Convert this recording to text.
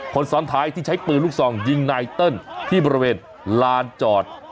คนซ้อนท้ายที่ใช้ปืนลูกซองยิงนายเติ้ลที่บริเวณลานจอด